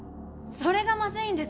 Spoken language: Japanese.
それがまずいんです。